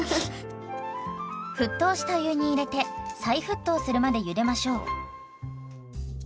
沸騰した湯に入れて再沸騰するまでゆでましょう。